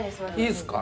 いいですか？